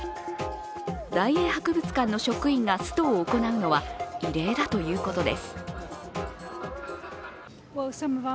大英博物館の職員がストを行うのは異例だということです。